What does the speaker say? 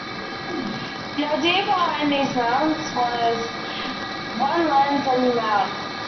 The idea behind these mounts was 'one lens, any mount'.